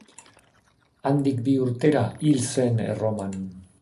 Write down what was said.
Handik bi urtera hil zen Erroman.